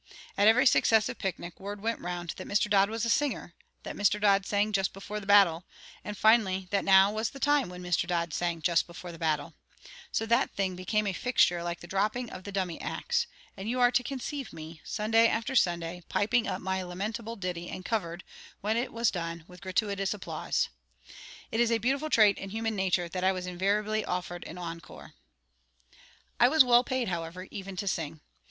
At every successive picnic word went round that Mr. Dodd was a singer; that Mr. Dodd sang Just before the Battle, and finally that now was the time when Mr. Dodd sang Just before the Battle; so that the thing became a fixture like the dropping of the dummy axe, and you are to conceive me, Sunday after Sunday, piping up my lamentable ditty and covered, when it was done, with gratuitous applause. It is a beautiful trait in human nature that I was invariably offered an encore. I was well paid, however, even to sing.